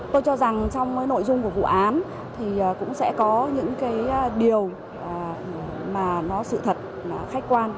tôi cho rằng trong nội dung của vụ án cũng sẽ có những điều sự thật khách quan